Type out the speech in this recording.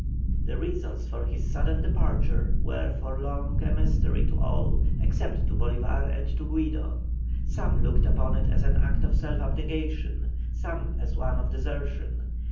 The reasons for his sudden departure were for long a mystery to all, except to Bolívar and to Guido. Some looked upon it as an act of self abnegation, some as one of desertion.